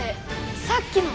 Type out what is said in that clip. さっきの！